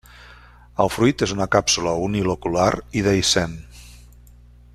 El fruit és una càpsula unilocular i dehiscent.